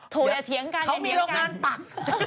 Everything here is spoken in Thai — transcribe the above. เขามีโรงงานปัก